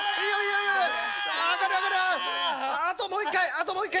あともう一回！